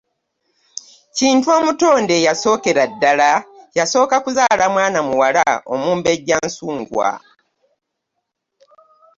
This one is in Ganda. Kintu omutonde eyasookera ddala, yasooka kuzaala mwana muwala, Omumbejja Nsungwa.